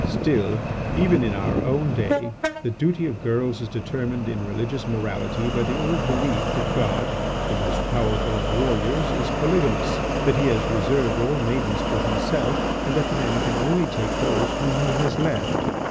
"Still, even in our own day, the duty of girls is determined in religious morality by the old belief that God, the most powerful of warriors, is polygamous, that he has reserved all maidens for himself, and that men can only take those whom he has left.